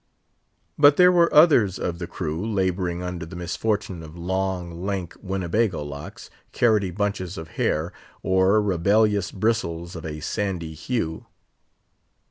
But there were others of the crew labouring under the misfortune of long, lank, Winnebago locks, carroty bunches of hair, or rebellious bristles of a sandy hue.